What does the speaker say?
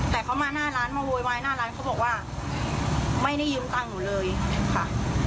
แต่เขามาหน้าร้านมาโวยวายหน้าร้านเขาบอกว่าไม่ได้ยืมตังค์หนูเลยค่ะ